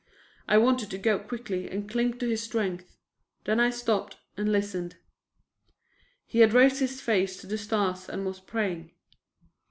I wanted to go quickly and cling to his strength. Then I stopped and listened. He had raised his face to the stars and was praying.